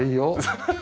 ハハハハ。